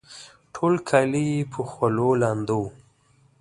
ټول کالي یې په خولو لانده وه